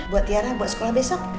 buat tiara buat sekolah besok